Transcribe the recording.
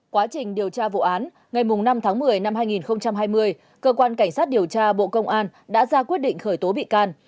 quá trình điều tra vụ án ngày năm tháng một mươi năm hai nghìn hai mươi cơ quan cảnh sát điều tra bộ công an đã ra quyết định khởi tố bị can